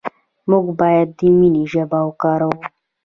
موږ باید د مینې ژبه وکاروو.